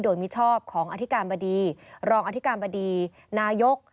โดยมิชอบของอธิการบดีรองอธิการบดีนายก